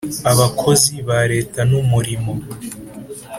abakozi ba leta nu murimo